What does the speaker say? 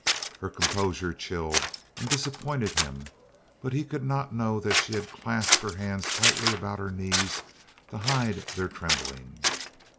Her composure chilled and disappointed him; he could not know that she had clasped her hands tightly about her knee to hide their trembling.